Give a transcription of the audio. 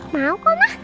mau kok mah